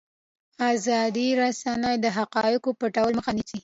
ازادې رسنۍ د حقایقو پټولو مخه نیسي.